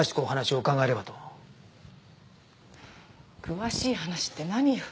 詳しい話って何よ？